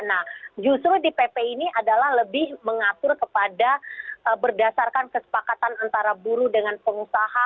nah justru di pp ini adalah lebih mengatur kepada berdasarkan kesepakatan antara buruh dengan pengusaha